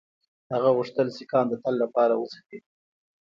هغه غوښتل سیکهان د تل لپاره وځپي.